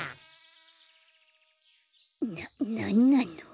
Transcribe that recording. ななんなの。